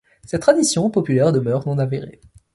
Cette tradition populaire demeure non-avérée.